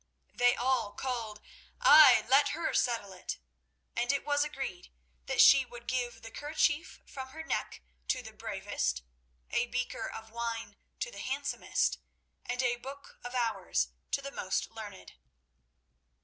They all called, "Ay, let her settle it," and it was agreed that she would give the kerchief from her neck to the bravest, a beaker of wine to the handsomest, and a Book of Hours to the most learned.